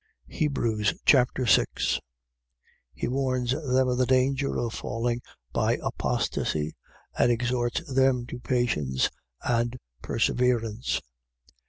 Hebrews Chapter 6 He warns them of the danger of falling by apostasy and exhorts them to patience and perseverance.